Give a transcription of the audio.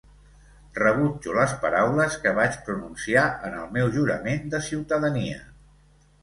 Rebutjo les paraules que vaig pronunciar en el meu jurament de ciutadania.